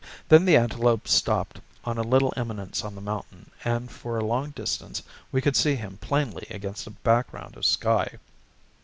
Then the antelope stopped on a little eminence on the mountain, and for a long distance we could see him plainly against a background of sky.